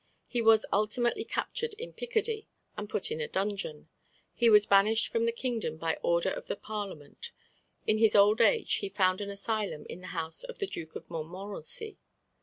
He was ultimately captured in Picardy, and put in a dungeon. He was banished from the kingdom by order of the Parliament. In his old age he found an asylum in the house of the Duke of Montmorency.